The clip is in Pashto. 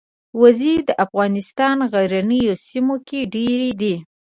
وزې د افغانستان غرنیو سیمو کې ډېرې دي